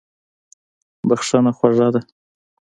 بښنه خوږه ده.